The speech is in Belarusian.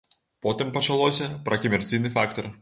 Потым пачалося пра камерцыйны фактар.